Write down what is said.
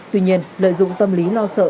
tuy nhiên lợi dụng tâm lý lo sợ